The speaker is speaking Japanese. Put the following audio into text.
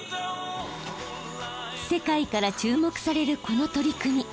世界から注目されるこの取り組み。